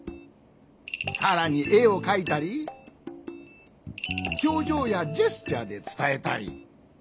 さらにえをかいたりひょうじょうやジェスチャーでつたえたり。